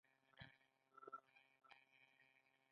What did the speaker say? د هرات په کشک کې د ګچ نښې شته.